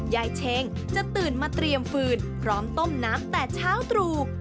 เชงจะตื่นมาเตรียมฟืนพร้อมต้มน้ำแต่เช้าตรู่